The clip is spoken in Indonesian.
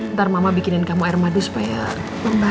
ntar mama bikinin kamu air madu supaya lebih baik